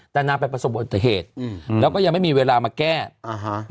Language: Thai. แต่นางไปประสบอุบัติเหตุอืมแล้วก็ยังไม่มีเวลามาแก้อ่าฮะ